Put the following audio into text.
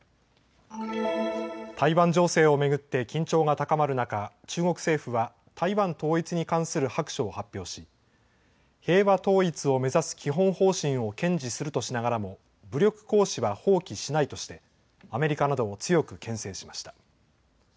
台湾情勢を巡って緊張が高まる中、中国政府は台湾統一に関する白書を発表し平和統一を目指す基本方針を堅持するとしながらも武力行使は放棄しないとしてアメリカなどを強くけん制しました。